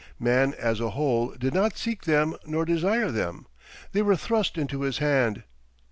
Man as a whole did not seek them nor desire them; they were thrust into his hand.